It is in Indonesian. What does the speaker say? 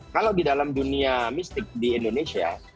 kalau di dalam dunia mistik di indonesia